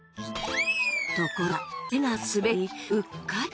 ところが手が滑りうっかり。